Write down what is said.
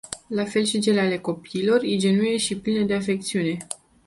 La fel și cele ale copiilor, ingenue și pline de afecțiune.